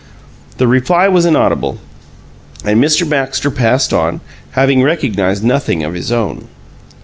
The reply was inaudible, and Mr. Baxter passed on, having recognized nothing of his own.